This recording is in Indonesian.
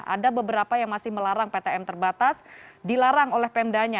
ada beberapa yang masih melarang ptm terbatas dilarang oleh pemdanya